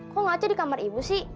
kok ngaca di kamar ibu sih